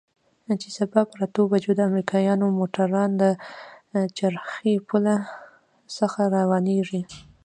چې سبا پر اتو بجو د امريکايانو موټران له څرخي پله څخه روانېږي.